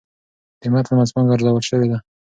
د متن منځپانګه ارزول شوې ده.